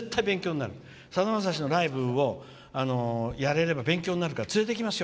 その人たちのライブをやれれば勉強になるから連れていきます